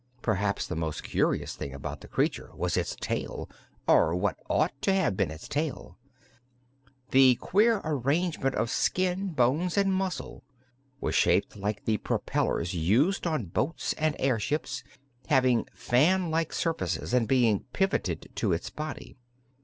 Perhaps the most curious thing about the creature was its tail, or what ought to have been its tail. This queer arrangement of skin, bones and muscle was shaped like the propellers used on boats and airships, having fan like surfaces and being pivoted to its body.